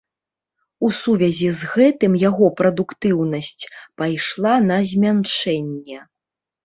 У сувязі з гэтым яго прадуктыўнасць пайшла на змяншэнне.